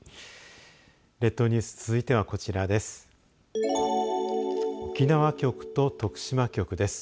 列島ニュース続いてはこちらです。